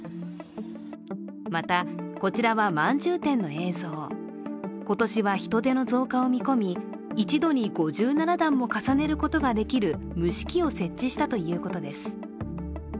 また、こちらはまんじゅう店の映像今年は人出の増加を見込み１度に５７段も重ねることができる蒸し器を設置したということです。